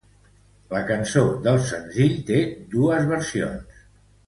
La cançó del senzill té dos versions.